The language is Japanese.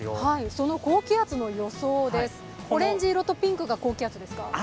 その高気圧の予想です、オレンジ色とピンクが高気圧ですか。